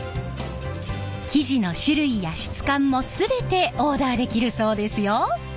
生地の種類や質感も全てオーダーできるそうですよ！